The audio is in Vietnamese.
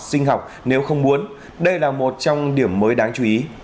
sinh học nếu không muốn đây là một trong điểm mới đáng chú ý